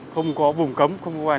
không có vùng cấm